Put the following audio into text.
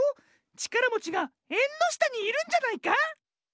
ちからもちがえんのしたにいるんじゃないか？